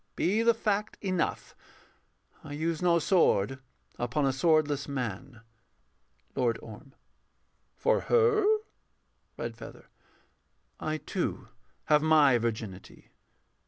Be the fact enough, I use no sword upon a swordless man. LORD ORM. For her? REDFEATHER. I too have my virginity.